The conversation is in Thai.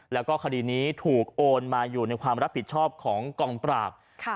แล้วก็คดีนี้ถูกโอนมาอยู่ในความรับผิดชอบของกองปราบ